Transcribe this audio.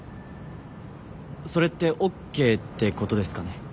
それってＯＫってことですかね？